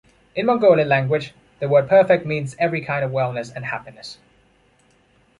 In Mongolian Language the word “Perfect” means every kind of wellness and happiness.